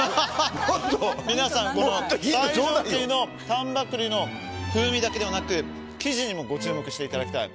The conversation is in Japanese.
皆さん、最上級の丹波栗の風味だけでなく生地にもご注目していただきたい。